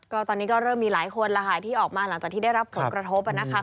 ก็ตอนนี้ก็เริ่มมีหลายคนแล้วค่ะที่ออกมาหลังจากที่ได้รับผลกระทบนะคะ